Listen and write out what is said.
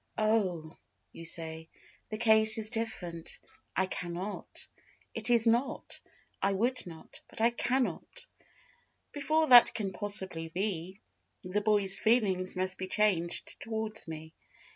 "Oh!" you say, "the case is different; I cannot. It is not, 'I would not;' but, 'I cannot.' Before that can possibly be, the boy's feelings must be changed towards me.